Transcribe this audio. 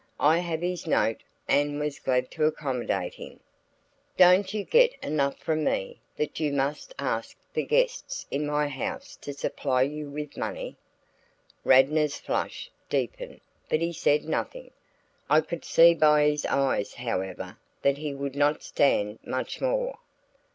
I have his note and was glad to accommodate him." "Don't you get enough from me, that you must ask the guests in my house to supply you with money?" Radnor's flush deepened but he said nothing. I could see by his eyes however that he would not stand much more.